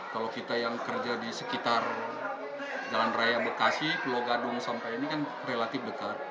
kalau kita yang kerja di sekitar jalan raya bekasi pulau gadung sampai ini kan relatif dekat